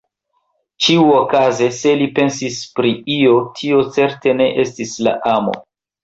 Ĉiuokaze, se li pensis pri io, tio certe ne estis la amo.